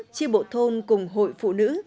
chi bộ thôn cùng hội phụ nữ